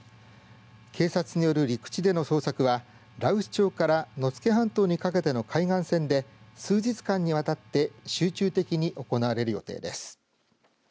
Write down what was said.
警察による陸地での捜索は羅臼町から野付半島にかけての海岸線で数日間にわたって集中的に行われる予定です。